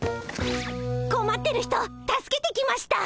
こまってる人助けてきました！